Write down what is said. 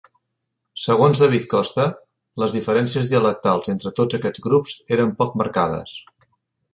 Segons David Costa, les diferències dialectals entre tots aquests grups eren poc marcades.